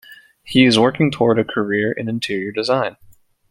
He is working toward a career in interior design.